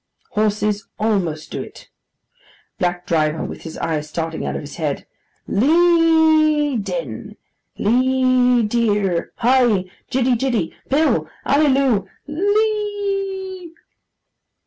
Horses almost do it. BLACK DRIVER (with his eyes starting out of his head). 'Lee, den. Lee, dere. Hi. Jiddy, Jiddy. Pill. Ally Loo. Lee e e e e!